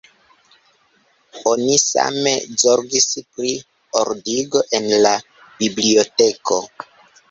Oni same zorgis pri ordigo en la biblioteko.